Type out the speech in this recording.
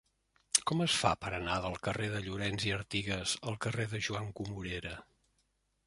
Com es fa per anar del carrer de Llorens i Artigas al carrer de Joan Comorera?